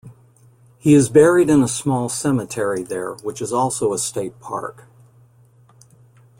He is buried in a small cemetery there which is also a state park.